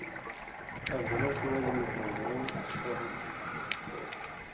آں گولہ ݜُو وجہۡ نی ہون٘دُوں سُو حُکُم نی ہو تھُو۔